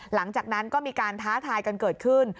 หลังจากนั้นก็มีการท้าทายกันเกิดขึ้น